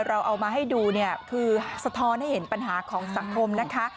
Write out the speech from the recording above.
เราเอามาให้ดูเนี่ยคือสะท้อนให้เห็นปัญหาของสังคมนะคะ